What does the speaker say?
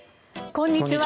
こんにちは。